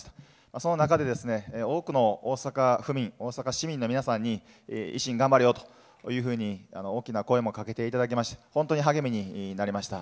その中で、多くの大阪府民、大阪市民の皆さんに、維新、頑張れよというふうに、大きな声もかけていただきまして、本当に励みになりました。